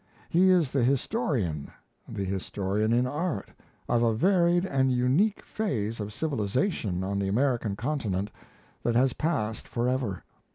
He is the historian, the historian in art, of a varied and unique phase of civilization on the American continent that has passed forever.